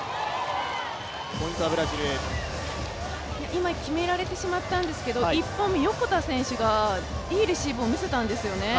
今、決められてしまったんですけど、日本の横田選手がいいレシーブを見せたんですよね。